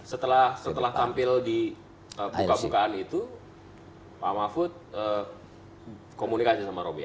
setelah tampil di buka bukaan itu pak mahfud komunikasi sama roby